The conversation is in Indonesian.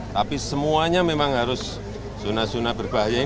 tapi semuanya memang harus zona zona berbahaya